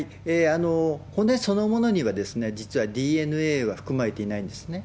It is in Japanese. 骨そのものには実はＤＮＡは含まれていないんですね。